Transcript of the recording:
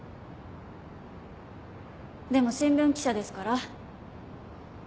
でも新聞記者ですから。